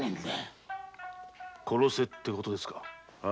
殺せってことですか？